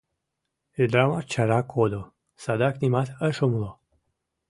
Ӱдырамаш чара кодо — садак нимат ыш умыло.